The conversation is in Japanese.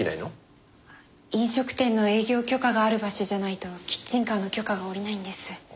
飲食店の営業許可がある場所じゃないとキッチンカーの許可が下りないんです。